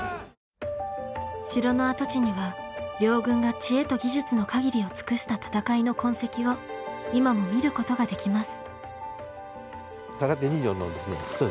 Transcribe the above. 城の跡地には両軍が知恵と技術の限りを尽くした戦いの痕跡を今も見ることができます。